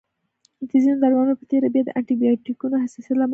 د ځینو درملنو په تېره بیا د انټي بایوټیکونو حساسیت لامل ګڼل کېږي.